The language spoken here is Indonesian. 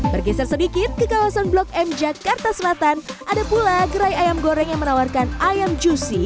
bergeser sedikit ke kawasan blok m jakarta selatan ada pula gerai ayam goreng yang menawarkan ayam juicy